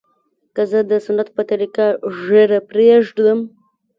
که زه د سنت په طريقه ږيره پرېږدم.